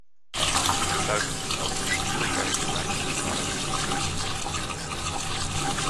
Deshalb ist es auch so schwierig, eine gemeinsame Basis für Lösungen zu finden.